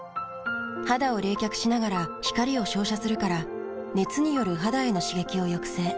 肌を冷却しながら光を照射するから熱による肌への刺激を抑制。